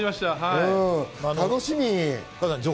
楽しみ。